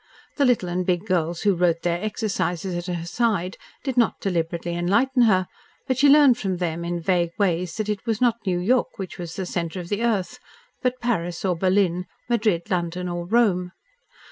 The little and big girls who wrote their exercises at her side did not deliberately enlighten her, but she learned from them in vague ways that it was not New York which was the centre of the earth, but Paris, or Berlin, Madrid, London, or Rome.